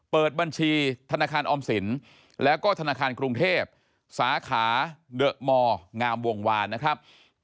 เปิดบัญชีธนาคารออมสินแล้วก็ธนาคารกรุงเทพสาขาเดอะมงามวงวานนะครับ